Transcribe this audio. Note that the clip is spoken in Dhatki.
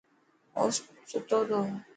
اوستو تو.